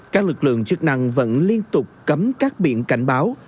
các lực lượng chức năng vẫn liên tục cấm các biển cảnh báo